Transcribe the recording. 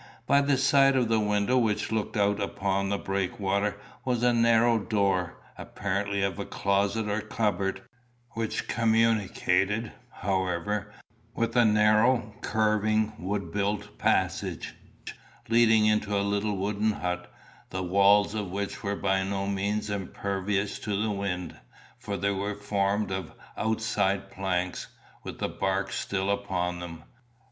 By the side of the window which looked out upon the breakwater was a narrow door, apparently of a closet or cupboard, which communicated, however, with a narrow, curving, wood built passage, leading into a little wooden hut, the walls of which were by no means impervious to the wind, for they were formed of outside planks, with the bark still upon them.